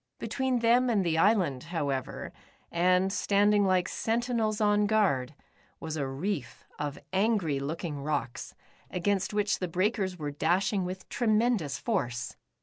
Between them and the island, however, and standing like sentinels on guard, was a reef of angry looking rocks, against which the breakers were dashing with tremendous force.